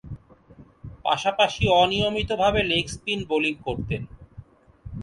পাশাপাশি অনিয়মিতভাবে leg spin bowling করতেন।